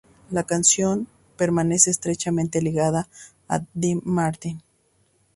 La canción permanece estrechamente ligada a Dean Martin.